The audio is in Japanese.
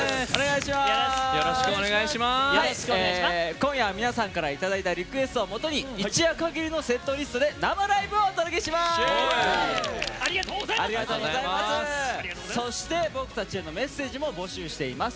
今夜は皆さんからいただいたリクエストをもとに一夜かぎりのセットリストで生ライブをお届けします！